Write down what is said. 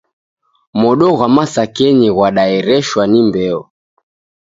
Modo gha masakenyi ghwadaereshwa ni mbeo.